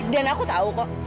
dan aku tahu kok